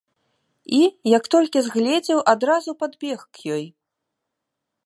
І, як толькі згледзеў, адразу падбег к ёй.